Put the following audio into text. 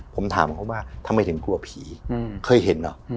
ผมถามเขาว่าทำไมถึงกลัวผีเคยเห็นเหรอ